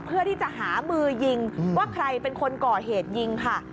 เพื่อที่จะหามือยิงว่าใครเป็นคนก่อเหตุยิงค่ะ